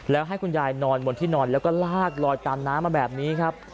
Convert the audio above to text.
แล้วให้คุณยายนอนบนที่นอนแล้วก็ลากลอยตามน้ำมาแบบนี้ครับ